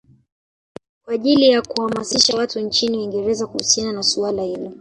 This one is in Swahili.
Kwa ajili ya kuhamasisha watu nchini Uingereza kuhusiana na suala hilo